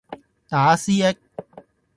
打思噎